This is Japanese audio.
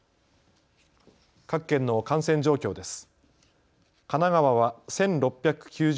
各県の感染状況です。